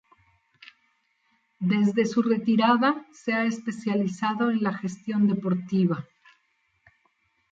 Desde su retirada se ha especializado en la gestión deportiva.